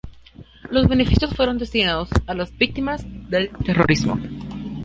Los beneficios fueron destinados a las víctimas del terrorismo.